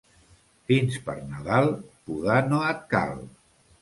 Fins per Nadal, podar no et cal.